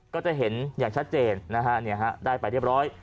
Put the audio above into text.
ก็จะเห็นอย่างชัดเจนนะฮะได้ไปเรียบร้อย